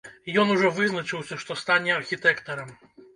Ён ужо вызначыўся, што стане архітэктарам.